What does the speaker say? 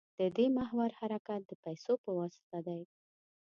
د دې محور حرکت د پیسو په واسطه دی.